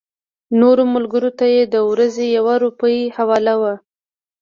نورو ملګرو ته یې د ورځې یوه روپۍ حواله وه.